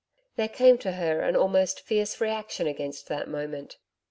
There came to her an almost fierce reaction against that moment.